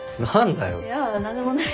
いや何でもないよ。